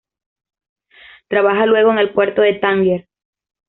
Trabaja luego en el puerto de Tánger.